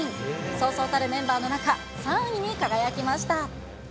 そうそうたるメンバーの中、３位に輝きました。